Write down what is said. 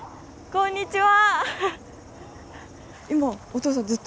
こんにちは。